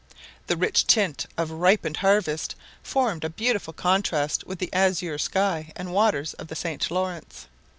The rich tint of ripened harvest formed a beautiful contrast with the azure sky and waters of the St. Laurence.